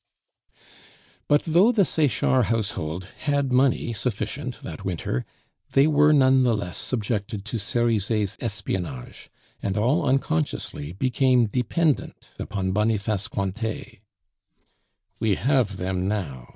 But though the Sechard household had money sufficient that winter, they were none the less subjected to Cerizet's espionage, and all unconsciously became dependent upon Boniface Cointet. "We have them now!"